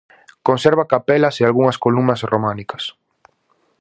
Conserva capelas e algunhas columnas románicas.